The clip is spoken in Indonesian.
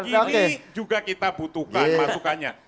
jika kayak gini juga kita butuhkan masukannya